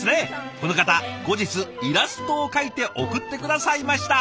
この方後日イラストを描いて送って下さいました。